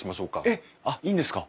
えっ！あっいいんですか？